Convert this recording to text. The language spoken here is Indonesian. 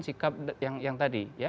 sikap yang tadi